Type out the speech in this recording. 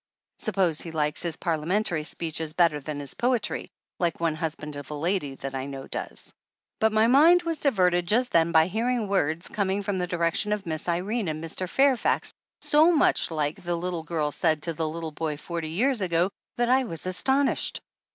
Suppose he likes his par liamentary speeches better than his poetry, like one husband of a lady that I know does ! But my mind was diverted just then by hear ing words coming from the direction of Miss Irene and Mr. Fairfax so much like the little girl said to the little boy forty years ago that I was astonished.